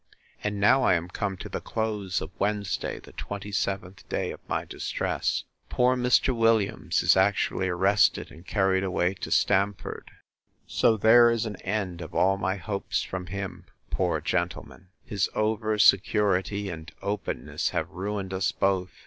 And now I am come to the close of Wednesday, the 27th day of my distress. Poor Mr. Williams is actually arrested, and carried away to Stamford. So there is an end of all my hopes from him, poor gentleman! His over security and openness have ruined us both!